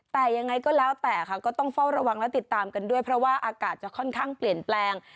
แต่ยังไงก็แล้วแต่ค่ะก็ต้องเฝ้าระวังและติดตามกันด้วยเพราะว่าอากาศจะค่อนข้างเปลี่ยนแปลง